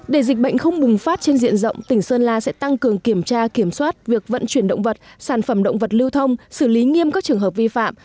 để dịch bệnh không bùng phát trên diện rộng tỉnh sơn la sẽ tăng cường kiểm tra kiểm soát việc vận chuyển động vật sản phẩm động vật lưu thông xử lý nghiêm các trường hợp vi phạm